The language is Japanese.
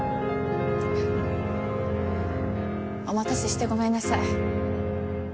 お待たせしてごめんなさい。